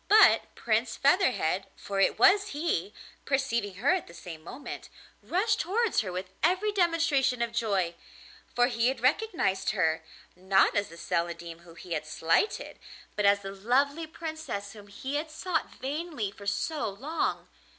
But Prince Featherhead, for it was he, perceiving her at the same moment, rushed towards her with every demonstration of joy: for he had recognised her, not as the Celandine whom he had slighted, but as the lovely Princess whom he had sought vainly for so long.